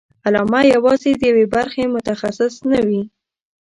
علامه یوازې د یوې برخې متخصص نه وي.